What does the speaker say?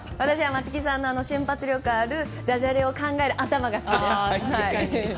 松木さんの瞬発力あるダジャレを考える頭が好きです。